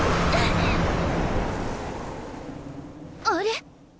あれ？